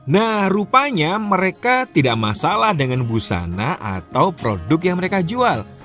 nah rupanya mereka tidak masalah dengan busana atau produk yang mereka jual